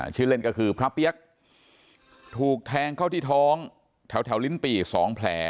ชื่อเล่นก็คือพระเปี๊ยกถูกแทงเข้าที่ท้องแถวลิ้นปี่๒แผล